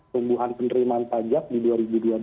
tumbuhan penerimaan pajak di dua ribu dua puluh dua